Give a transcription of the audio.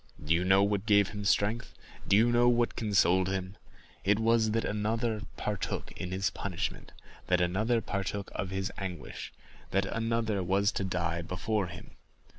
Do you know what gave him strength? do you know what consoled him? It was, that another partook of his punishment—that another partook of his anguish—that another was to die before him!